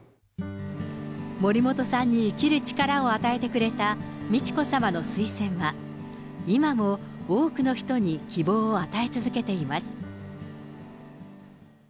森本さんに生きる力を与えてくれた美智子さまの水仙は、今も多くの人に希望を与え続けています。